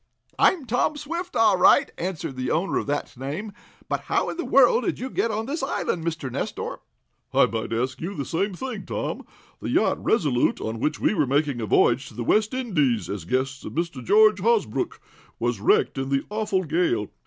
"I'm Tom Swift, all right," answered the owner of that name, "but how in the world did you get on this island, Mr. Nestor?" "I might ask you the same thing, Tom. The yacht RESOLUTE, on which we were making a voyage to the West Indies, as guests of Mr. George Hosbrook, was wrecked in the awful gale.